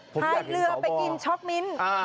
ไพเรือไปกินช็อกมินส์